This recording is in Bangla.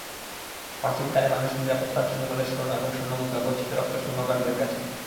প্রাচীনকালে মানুষ নিরাপত্তার জন্য তাদের স্বর্ণ এবং স্বর্ণমুদ্রা গচ্ছিত রাখত স্বর্ণকারদের কাছে।